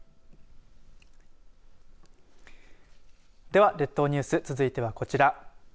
では列島ニュース続いてはこちら。